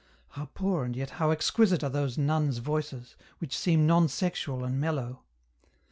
" How poor and yet how exquisite are those nuns' voices, which seem non sexual and mellow